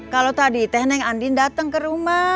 kalau tadi teh neng andin dateng ke rumah